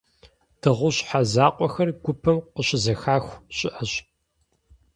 Дыгъужь щхьэ закъуэхэр гупым къыщызэхаху щыӏэщ.